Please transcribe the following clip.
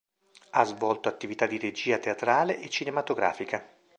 Ha svolto attività di regia teatrale e cinematografica.